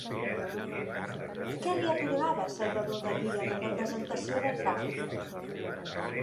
Què li atorgava Salvador Dalí a la representació del pa?